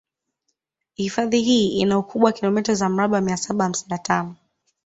Hifadhi hii ina ukubwa wa kilomita za mraba mia saba hamsini na tano